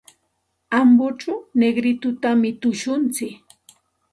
Ambochaw Negritotami tushuntsik.